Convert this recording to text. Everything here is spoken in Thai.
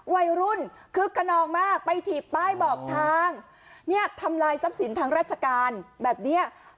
วัยรุ่นคึกขนองมากไปถีบป้ายบอกทางเนี่ยทำลายทรัพย์สินทางราชการแบบเนี้ย